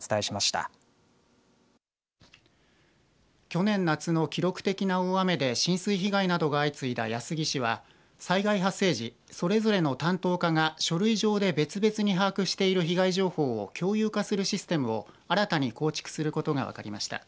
去年夏の記録的な大雨で浸水被害などが相次いだ安来市は災害発生時、それぞれの担当課が書類上で別々に把握している被害情報を共有化するシステムを新たに構築することが分かりました。